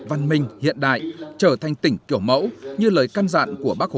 văn minh hiện đại trở thành tỉnh kiểu mẫu như lời căn dạn của bác hổ kính yêu